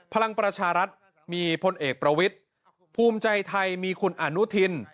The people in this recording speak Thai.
พลังประชารัฐมีพลเอกประวิทย์ภูมิใจไทยมีคุณอนุทิน